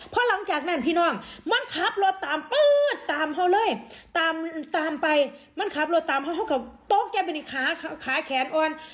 เพราะหลังจากนั้นพี่น้องมันขับรถตามปื๊ดตามเขาเลยตามตามไปมันขับรถตามเขาเขาก็โต๊ะแกเป็นอีกขาขาแขนอ่อน